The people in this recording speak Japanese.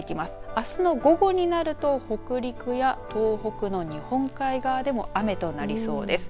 あすの午後になると北陸や東北の日本海側でも雨となりそうです。